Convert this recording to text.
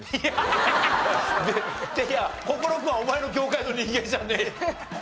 いや心君はお前の業界の人間じゃねえ。